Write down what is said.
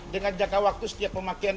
dengan jangka waktu setiap pemakaian